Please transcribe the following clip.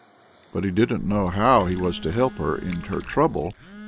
But he didn't know how he was to help her in her trouble.